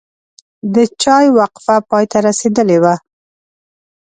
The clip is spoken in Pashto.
د چای وقفه پای ته رسیدلې وه.